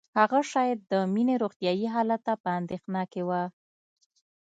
هغه شاید د مينې روغتیايي حالت ته په اندېښنه کې وه